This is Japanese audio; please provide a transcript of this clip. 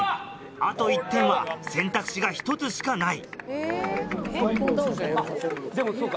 あと１点は選択肢が一つしかない。